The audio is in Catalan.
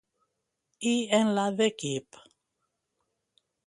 I en la d'equip?